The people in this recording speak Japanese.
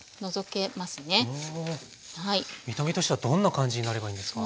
見た目としてはどんな感じになればいいんですか？